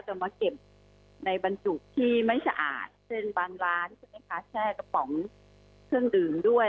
จะมาเก็บในบรรจุที่ไม่สะอาดเช่นบางร้านใช่ไหมคะแช่กระป๋องเครื่องดื่มด้วย